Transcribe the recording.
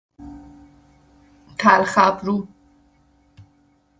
تلخ ابرو